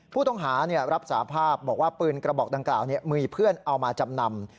ผู้ต้องหารับสาภาพบอกว่าปืนกระบอกดังกล่าวมีเพื่อนเอามาจำนำ